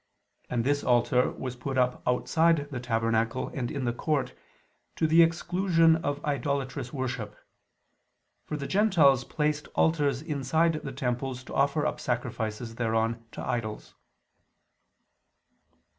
And this altar was put up outside the tabernacle and in the court, to the exclusion of idolatrous worship: for the Gentiles placed altars inside the temples to offer up sacrifices thereon to idols.